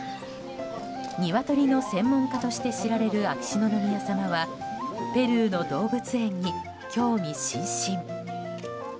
ニワトリの専門家として知られる秋篠宮さまはペルーの動物園に興味津々。